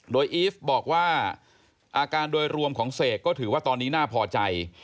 โดยอีฟบอกว่าอาการโดยรวมของเสกก็ถือว่าตอนนี้น่าพอใจ